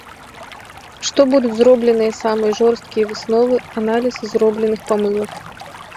Што будуць зробленыя самыя жорсткія высновы, аналіз зробленых памылак.